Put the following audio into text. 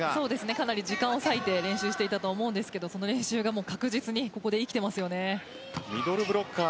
かなり時間を割いて練習していたと思うんですがその練習が確実にここで生きていますよね。